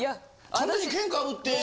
完全にケンカ売ってる。